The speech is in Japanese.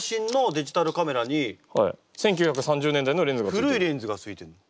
古いレンズがついてんの。